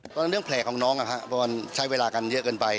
ตอนนั้นเรื่องแผลของน้องใช้เวลากันเยอะเกินไป